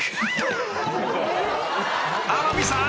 ［天海さん